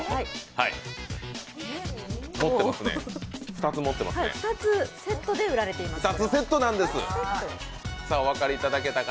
２つセットで売られています。